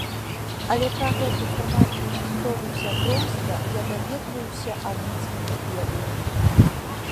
Але пра гэту кранальную гісторыю сяброўства я даведваюся адно з вікіпедыі.